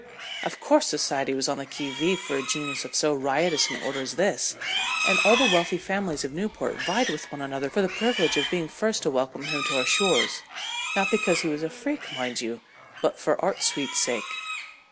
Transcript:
Of course society was on the qui vive for a genius of so riotous an order as this, and all the wealthy families of Newport vied with one another for the privilege of being first to welcome him to our shores, not because he was a freak, mind you, but "for art's sweet sake."